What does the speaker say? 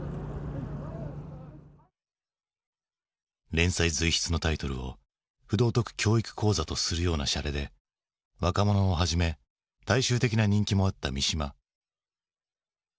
連載随筆のタイトルを「不道徳教育講座」とするようなシャレで若者をはじめ大衆的な人気もあった三島。